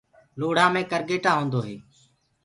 لوڙهآ مي ڪرگيٽآ هوندو هي۔